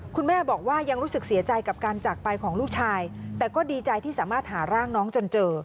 คุณแม่บอกว่ายังรู้สึกเสียใจกับการจากไปของลูกชายแต่ก็ดีใจที่สามารถหาร่างน้องจนเจอ